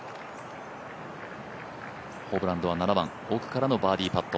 ホブランドは７番、奥からのバーディーパット。